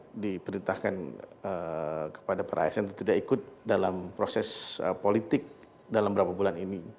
kemudian diperintahkan kepada para asn untuk tidak ikut dalam proses politik dalam beberapa bulan ini